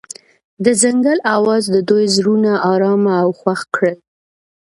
د ځنګل اواز د دوی زړونه ارامه او خوښ کړل.